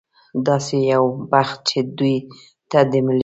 داسې یو بحث چې دوی ته د ملي